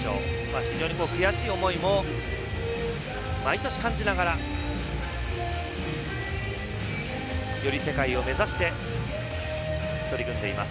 非常に悔しい思いも毎年、感じながら世界を目指して取り組んでいます。